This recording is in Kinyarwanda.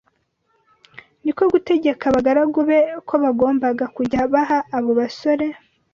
Ni ko gutegeka abagaragu be ko bagombaga kujya baha abo basore